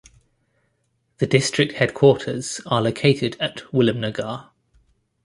The district headquarters are located at Williamnagar.